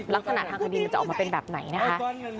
ลักษณะทางคดีมันจะออกมาเป็นแบบไหนนะคะ